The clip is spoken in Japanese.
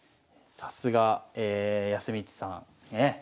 さすが康光さん。